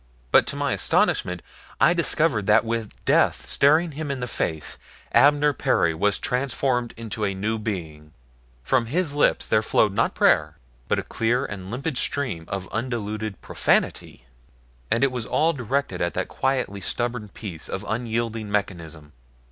But to my astonishment I discovered that with death staring him in the face Abner Perry was transformed into a new being. From his lips there flowed not prayer but a clear and limpid stream of undiluted profanity, and it was all directed at that quietly stubborn piece of unyielding mechanism.